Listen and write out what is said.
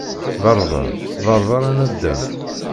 Berber, berber a naddam.